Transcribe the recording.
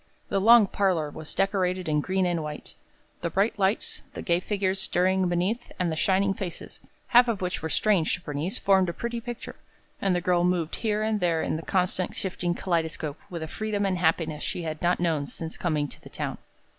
The long parlor was decorated in green and white. The bright lights, the gay figures stirring beneath, and the shining faces, half of which were strange to Bernice, formed a pretty picture, and the girl moved here and there in the constantly shifting kaleidoscope with a freedom and happiness she had not known since coming to the town.